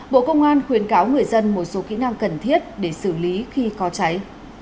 bộ công an khuyến cáo người dân một số kỹ năng cần thiết để xử lý khi có cháy